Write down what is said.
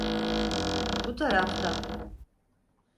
Bu tarafta!